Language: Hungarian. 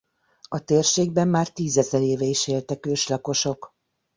A térségben már tízezer éve is éltek őslakosok.